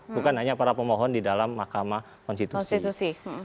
bukan hanya para pemohon di dalam mahkamah konstitusi